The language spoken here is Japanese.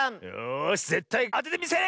よしぜったいあててみせる！